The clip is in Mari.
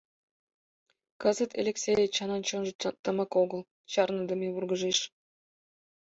Кызыт Элексей Эчанын чонжо тымык огыл, чарныдыме вургыжеш.